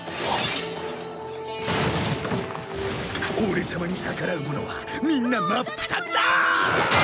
オレ様に逆らうものはみんな真っ二つだーっ！